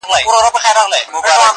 • کورنۍ پرېکړه کوي د شرم له پاره..